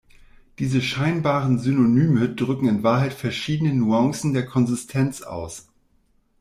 Diese scheinbaren Synonyme drücken in Wahrheit verschiedene Nuancen der Konsistenz aus.